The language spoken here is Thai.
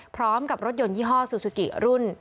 พร้อมกับรถยนต์ยี่ห้อซูซูกิรุ่น